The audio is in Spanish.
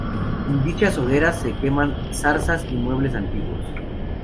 En dichas hogueras se queman zarzas y muebles antiguos.